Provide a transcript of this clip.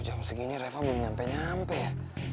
jam segini reva belum nyampe nyampe ya